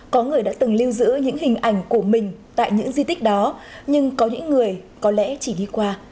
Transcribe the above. có người đã từng lưu giữ những hình ảnh của mình tại những di tích đó nhưng có những người có lẽ chỉ đi qua